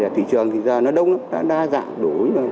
thị trường thì ra nó đông lắm nó đa dạng đủ